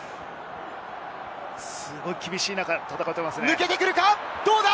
すごい厳しい中で戦っていますね。